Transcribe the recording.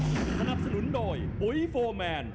สนับสนุนโดยปุ๋ยโฟร์แมน